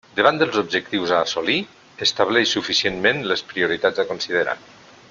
Davant dels objectius a assolir, estableix suficientment les prioritats a considerar.